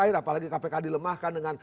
apalagi kpk dilemahkan dengan